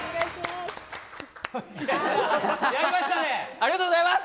ありがとうございます。